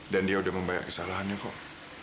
dan dia udah membayang kesalahannya kok